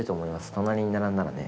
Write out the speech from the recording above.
隣に並んだらね。